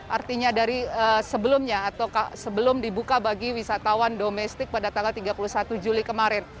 artinya dari sebelumnya atau sebelum dibuka bagi wisatawan domestik pada tanggal tiga puluh satu juli kemarin